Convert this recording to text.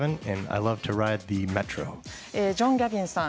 ジョン・ギャビンさん